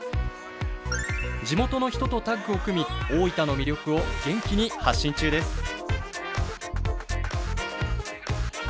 地元の人とタッグを組み大分の魅力を元気に発信中です。